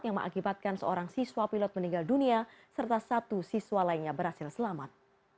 yang mengakibatkan seorang siswa pilot meninggal dunia serta satu siswa lainnya berhasil selamat